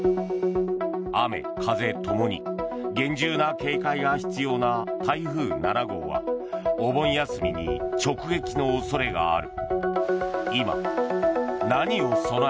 雨風共に厳重な警戒が必要な台風７号はお盆休みに直撃の恐れがある。